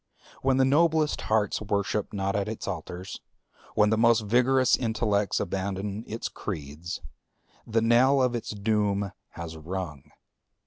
When the noblest hearts worship not at its altars, when the most vigorous intellects abandon its creeds, the knell of its doom has rung.